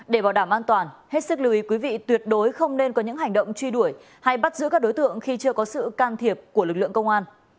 để bảo đảm an toàn hết sức lưu ý quý vị tuyệt đối không nên có những hành động truy đuổi hay bắt giữ các đối tượng khi chưa có sự can thiệp của lực lượng công an